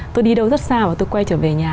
tôi đi đâu rất xa và tôi quay trở về nhà